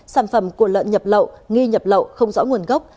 sản phẩm của lợn nhập lậu nghi nhập lậu không rõ nguồn gốc